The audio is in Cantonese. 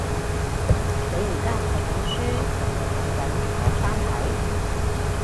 你而家係睇緊書定係揾緊嗰三題？